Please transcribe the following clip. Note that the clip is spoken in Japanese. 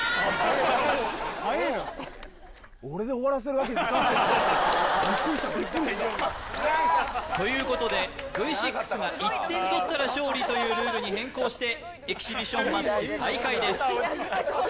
はええなビックリしたビックリしたということでＶ６が１点取ったら勝利というルールに変更してエキシビションマッチ再開です